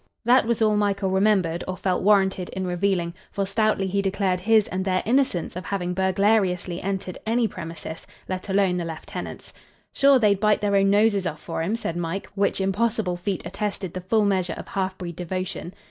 That was all Michael remembered or felt warranted in revealing, for stoutly he declared his and their innocence of having burglariously entered any premises, let alone the lieutenant's. "Sure they'd bite their own noses off fur him," said Mike, which impossible feat attested the full measure of halfbreed devotion.